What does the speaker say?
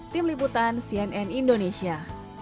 tim liputan cnn indonesia